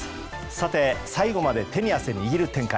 さて、最後まで手に汗握る展開。